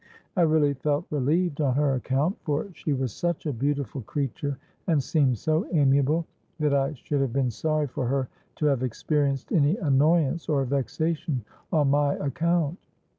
I really felt relieved on her account; for she was such a beautiful creature, and seemed so amiable, that I should have been sorry for her to have experienced any annoyance or vexation on my account.